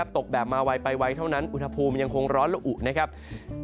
ตกแบบมาไวไปไวเท่านั้นอุณหภูมิยังคงร้อนละอุนะครับ